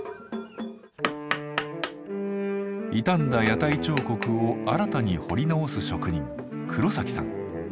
傷んだ屋台彫刻を新たに彫り直す職人黒崎さん。